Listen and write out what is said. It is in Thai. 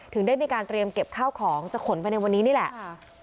ได้มีการเตรียมเก็บข้าวของจะขนไปในวันนี้นี่แหละ